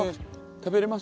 食べれます？